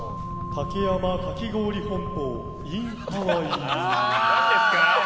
竹山かき氷本舗ｉｎハワイ。